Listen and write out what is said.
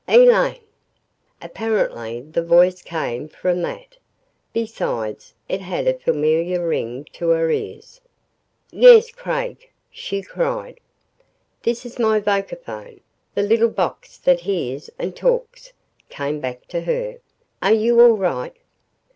"Elaine!" Apparently the voice came from that. Besides, it had a familiar ring to her ears. "Yes Craig!" she cried. "This is my vocaphone the little box that hears and talks," came back to her. "Are you all right?"